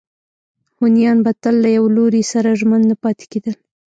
هونیان به تل له یوه لوري سره ژمن نه پاتې کېدل.